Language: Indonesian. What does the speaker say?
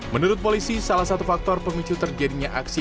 menurut polisi salah satu faktor pemicu terjadinya aksi